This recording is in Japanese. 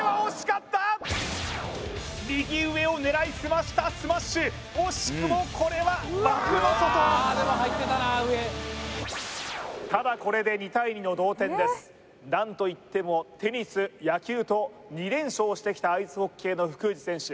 右上を狙いすましたスマッシュ惜しくもこれは枠の外ただこれで２対２の同点です何といってもテニス野球と２連勝してきたアイスホッケーの福藤選手